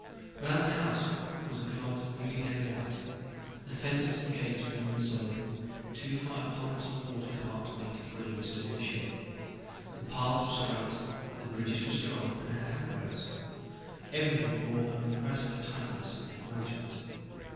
Round the house was a garden newly laid out. The fences and gates were new and solid; two fire pumps and a water cart, painted green, stood in a shed; the paths were straight, the bridges were strong and had handrails. Everything bore an impress of tidiness and good management.